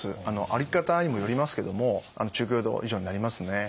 歩き方にもよりますけども中強度以上になりますね。